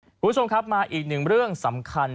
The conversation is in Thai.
คุณผู้ชมครับมาอีกหนึ่งเรื่องสำคัญ